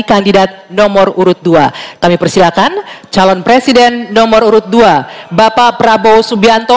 kandidat nomor urut dua kami persilakan calon presiden nomor urut dua bapak prabowo subianto